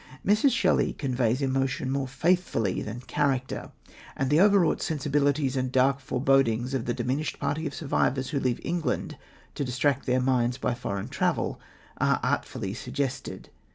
Mrs. Shelley conveys emotion more faithfully than character, and the overwrought sensibilities and dark forebodings of the diminished party of survivors who leave England to distract their minds by foreign travel are artfully suggested.